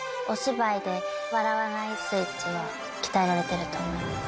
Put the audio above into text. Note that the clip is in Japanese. お芝居で笑わないスイッチは鍛えられてると思います。